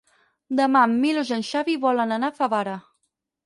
Demà en Milos i en Xavi volen anar a Favara.